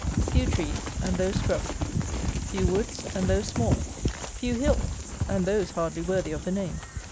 Few trees, and those scrubbed. Few woods, and those small. Few hills, and those hardly worthy of the name.